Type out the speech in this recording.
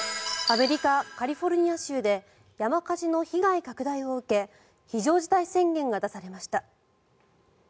アメリカ・カリフォルニア州で山火事の被害拡大を受け非常事態宣言が出されました。